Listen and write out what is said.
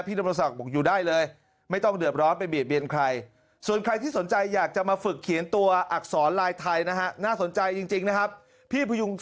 พี่พยุงศักดิ์บอกอยู่ได้เลย